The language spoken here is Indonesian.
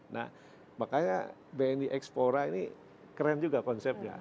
nah makanya bni explora ini keren juga konsepnya